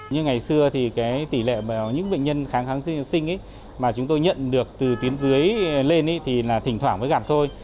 như ngày xưa thì tỷ lệ những bệnh nhân kháng kháng sinh mà chúng tôi nhận được từ tuyến dưới lên thì là thỉnh thoảng mới giảm thôi